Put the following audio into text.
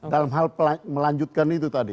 dalam hal melanjutkan itu tadi